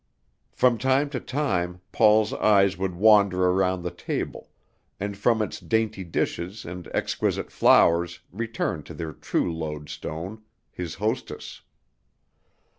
From time to time Paul's eyes would wander around the table; and from its dainty dishes and exquisite flowers return to their true lodestone, his hostess.